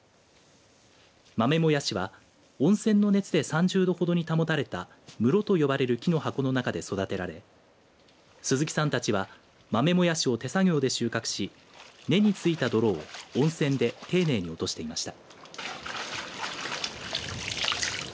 豆もやしは温泉の熱で３０度ほどに保たれた室と呼ばれる木の箱の中で育てられ鈴木さんたちは豆もやしを手作業で収穫し根についた泥を温泉で丁寧に落としていました。